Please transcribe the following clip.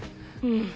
うん。